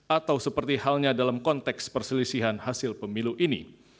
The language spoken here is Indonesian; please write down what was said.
atau seperti halnya dalam konteks perselisihan hasil pemilu ini